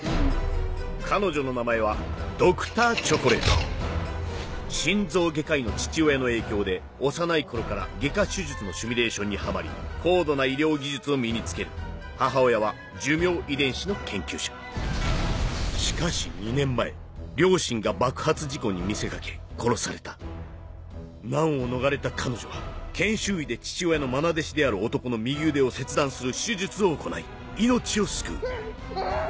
彼女の名前はＤｒ．チョコレート心臓外科医の父親の影響で幼い頃から外科手術のシミュレーションにハマり高度な医療技術を身につける母親は寿命遺伝子の研究者しかし２年前両親が爆発事故に見せかけ殺された難を逃れた彼女は研修医で父親のまな弟子である男の右腕を切断する手術を行い命を救ううぅ！